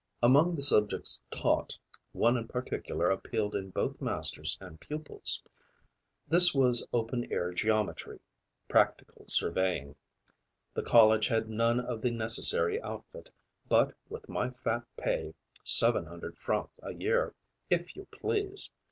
Among the subjects taught, one in particular appealed to both masters and pupils. This was open air geometry, practical surveying. The college had none of the necessary outfit; but, with my fat pay seven hundred francs a year, if you please!